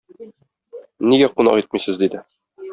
Нигә кунак итмисез? - диде.